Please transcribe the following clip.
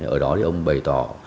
ở đó thì ông bày tỏ